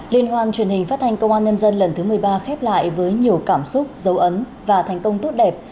liên hoan truyền hình phát thanh công an nhân dân lần thứ một mươi ba khép lại với nhiều cảm xúc dấu ấn và thành công tốt đẹp